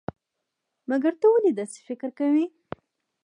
مګر ته ولې داسې فکر کوئ؟